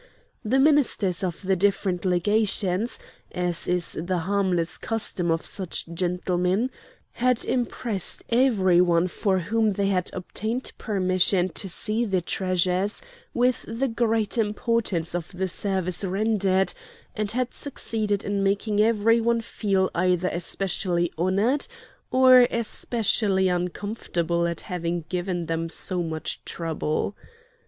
The ministers of the different legations as is the harmless custom of such gentlemen had impressed every one for whom they had obtained permission to see the treasures with the great importance of the service rendered, and had succeeded in making every one feel either especially honored or especially uncomfortable at having given them so much trouble.